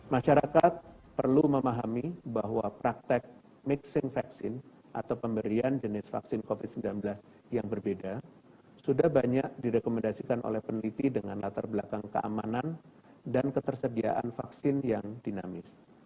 masyarakat perlu memahami bahwa praktek mixing vaksin atau pemberian jenis vaksin covid sembilan belas yang berbeda sudah banyak direkomendasikan oleh peneliti dengan latar belakang keamanan dan ketersediaan vaksin yang dinamis